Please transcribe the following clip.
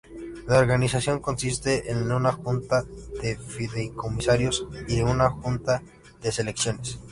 La organización consiste en una Junta de Fideicomisarios y una Junta de Selecciones.